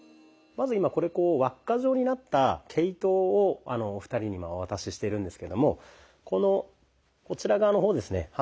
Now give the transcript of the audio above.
まず今これ輪っか状になった毛糸をお二人にお渡ししてるんですけどもこのこちら側の方ですね